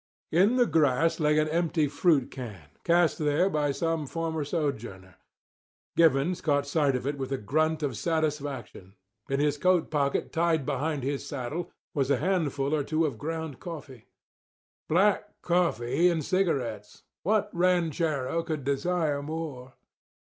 In the grass lay an empty fruit can, cast there by some former sojourner. Givens caught sight of it with a grunt of satisfaction. In his coat pocket tied behind his saddle was a handful or two of ground coffee. Black coffee and cigarettes! What ranchero could desire more?